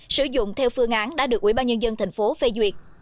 sử dụng theo phương án đã được ủy ban nhân dân tp hcm phê duyệt